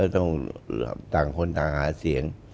ต่างคนต่างหาเสียง